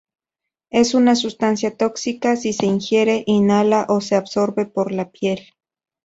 Es una sustancia tóxica si se ingiere, inhala o se absorbe por la piel.